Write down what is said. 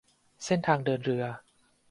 เส้นทางเดินเรือ